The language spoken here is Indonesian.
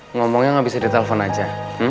ngomongnya gak bisa di telpon aja